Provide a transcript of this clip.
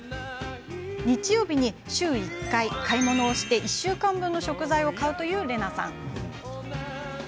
日曜日に週１回、買い物をして１週間分の食材を買うというれなさん。